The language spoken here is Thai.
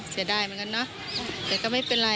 เสียดายเหมือนกันเนอะแต่ก็ไม่เป็นไร